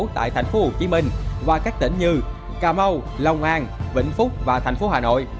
tại tp hcm và các tỉnh như cà mau lòng an vĩnh phúc và tp hcm